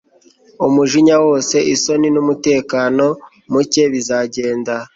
umujinya wose, isoni, numutekano muke bizagenda